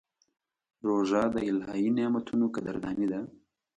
روژه د الهي نعمتونو قدرداني ده.